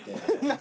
何？